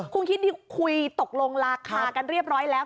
คุณคิดคุยตกลงราคากันเรียบร้อยแล้ว